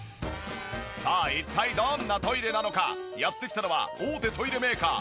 さあ一体どんなトイレなのかやって来たのは大手トイレメーカー